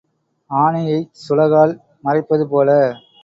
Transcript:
ஆனையைச் சுளகால் மறைப்பது போல.